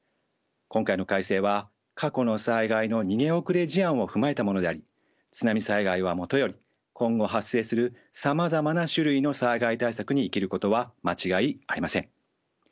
今回の改正は過去の災害の逃げ遅れ事案を踏まえたものであり津波災害はもとより今後発生するさまざまな種類の災害対策に生きることは間違いありません。